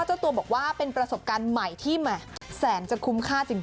เจ้าตัวบอกว่าเป็นประสบการณ์ใหม่ที่แสนจะคุ้มค่าจริง